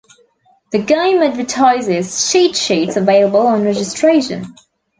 The game advertises cheat sheets available on registration.